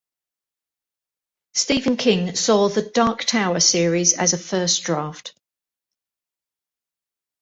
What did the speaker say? Stephen King saw the "Dark Tower" series as a first draft.